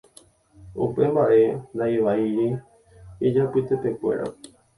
Upe mbaʼe ndaivaíri ijapytepekuéra.